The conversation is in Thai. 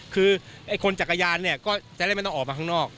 คือไอ้คนจักรยานเนี่ยก็จะได้ไม่ต้องออกมาข้างนอก